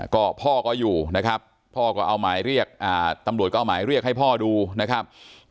ก็พ่อก็อยู่นะครับพ่อก็เอาหมายเรียกตำรวจก็เอาหมายเรียกให้พ่อดูนะครับ